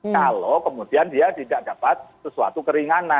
kalau kemudian dia tidak dapat sesuatu keringanan